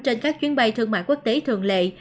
trên các chuyến bay thương mại quốc tế thường lệ